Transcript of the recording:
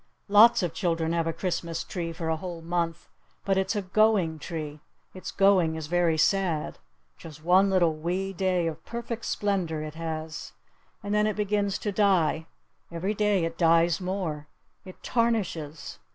Lots of children have a Christmas tree for a whole month. But it's a going tree. Its going is very sad. Just one little wee day of perfect splendor it has. And then it begins to die. Every day it dies more. It tarnishes.